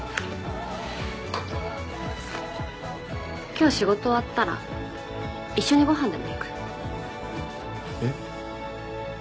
今日仕事終わったら一緒にご飯でも行く？えっ？